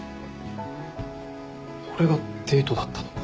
これがデートだったのか。